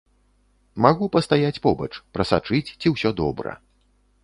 Магу пастаяць побач, прасачыць, ці ўсё добра.